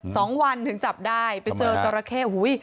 สองวันถึงจับได้เจอจอละแคร่โอ้โห